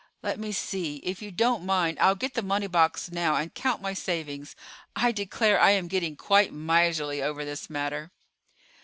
Let me see; if you don't mind, I'll get the money box now, and count my savings. I declare I am getting quite miserly over this matter."